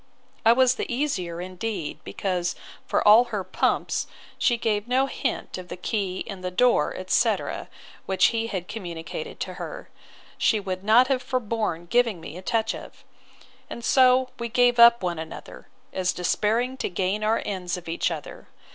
I was the easier, indeed, because, for all her pumps, she gave no hints of the key and the door, etc. which, had he communicated to her, she would not have forborne giving me a touch of.—And so we gave up one another, as despairing to gain our ends of each other.